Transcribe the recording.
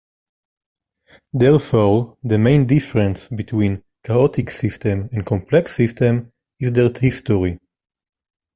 Therefore, the main difference between chaotic systems and complex systems is their history.